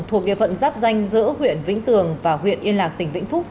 thuộc địa phận giáp danh giữa huyện vĩnh tường và huyện yên lạc tỉnh vĩnh phúc